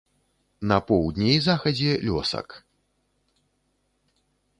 На поўдні і захадзе лёсак.